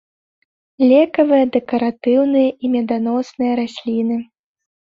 Лекавыя, дэкаратыўныя і меданосныя расліны.